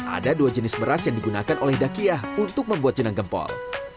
ada dua jenis beras yang digunakan oleh dakiyah untuk membuat jenang gempol